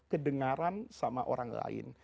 kedengaran sama orang lain